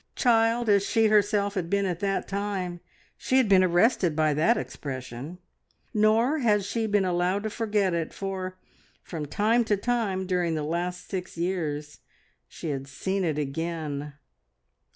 Child as she herself had been at that time she had been arrested by that expression: nor had she been allowed to forget it, for from time to time during the last six years she had seen it again.